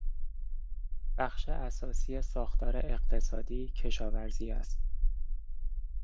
بخش اساسی ساختار اقتصادی کشاورزی است.